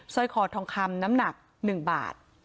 ร้อยคอทองคำน้ำหนัก๑บาท